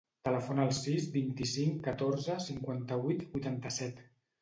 Telefona al sis, vint-i-cinc, catorze, cinquanta-vuit, vuitanta-set.